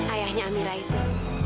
ayahnya amira itu